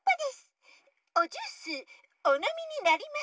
おジュースおのみになりますか？